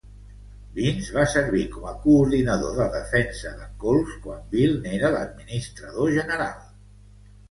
Vince va servir com a coordinador de defensa de Colts quan Bill n'era l'administrador general.